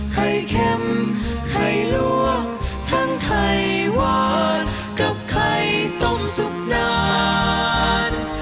ไข่เค็มไข่ล่วงทั้งไข่หวานกับไข่ต้มซุปนาน